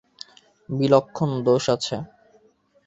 বিলক্ষণ দোষ আছে!